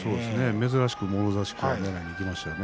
珍しくもろ差しねらいでいきましたね。